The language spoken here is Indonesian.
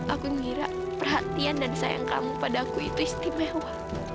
aku mengira perhatian dan sayang kamu padaku itu istimewa